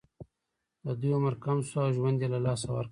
د دوی عمر کم شو او ژوند یې له لاسه ورکړ.